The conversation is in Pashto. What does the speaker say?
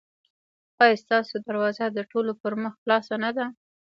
ایا ستاسو دروازه د ټولو پر مخ خلاصه نه ده؟